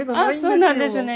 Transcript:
あっそうなんですね。